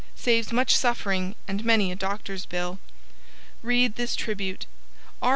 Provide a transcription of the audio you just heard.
Saves much suffering and many a doctor's bill. READ THIS TRIBUTE: R.